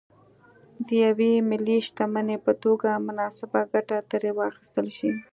د یوې ملي شتمنۍ په توګه مناسبه ګټه ترې واخیستل شي.